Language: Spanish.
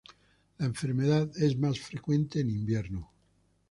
La enfermedad es más frecuente en invierno.